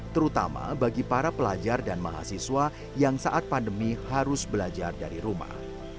terutama bagi para pelajar dan mahasiswa yang saat pandemi harus belajar dari rumah